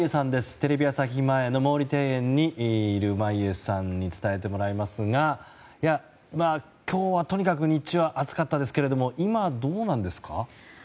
テレビ朝日前の毛利庭園にいる眞家さんに伝えてもらいますが今日はとにかく日中は暑かったですが今、どうなんですか？